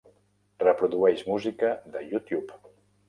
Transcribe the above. Reprodueix música de YouTube.